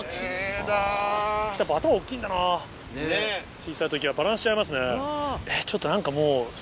小さい時はバランス違いますね。